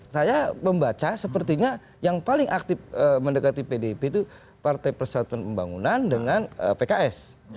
saya membaca sepertinya yang paling aktif mendekati pdip itu partai persatuan pembangunan dengan pks